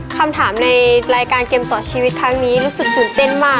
คำถามในรายการเกมต่อชีวิตครั้งนี้รู้สึกตื่นเต้นมาก